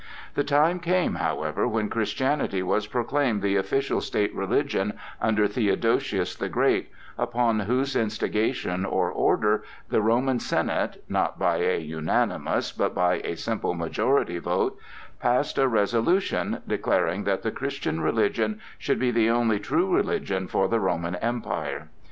The time came, however, when Christianity was proclaimed the official state religion under Theodosius the Great, upon whose instigation or order the Roman Senate (not by a unanimous, but by a simple majority vote) passed a resolution declaring that the Christian religion should be the only true religion for the Roman Empire.